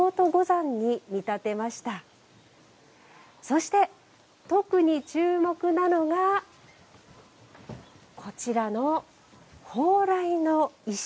そして特に注目なのがこちらの莱の石。